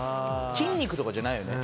筋肉とかじゃないよね